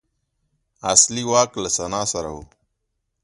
اصلي واک له سنا سره و